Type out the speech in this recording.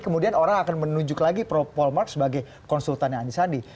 kemudian orang akan menunjuk lagi pollmark sebagai konsultan anies andi